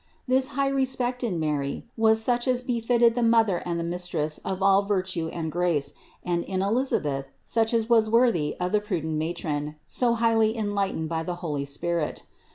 This high respect in Mary was such as befitted the Mother and the Mistress of all vir tue and grace, and in Elisabeth, such as was worthy of the prudent matron, so highly enlightened by the holy Spirit.